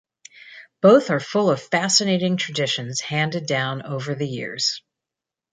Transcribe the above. Both are full of fascinating traditions handed down over the years.